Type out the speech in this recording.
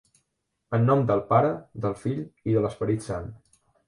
En nom del Pare, del Fill i de l'Esperit Sant.